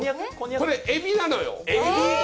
これエビなのよ。